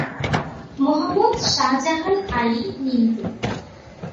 Mohammad Shahjahan Ali Mintu.